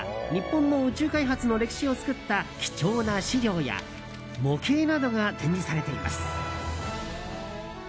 中には日本の宇宙開発の歴史を作った貴重な資料や模型などが展示されています。